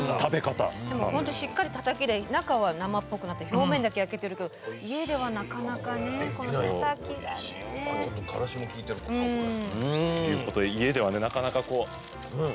でも本当にしっかりタタキで中は生っぽくなって表面だけ焼けてるけど家ではなかなかねこのタタキがね。ということで家ではなかなか。